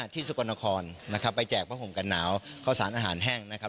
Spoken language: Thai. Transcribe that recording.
๒๓๒๔๒๕ที่สุกรณครนะครับไปแจกประหงกันหนาวเข้าสารอาหารแห้งนะครับ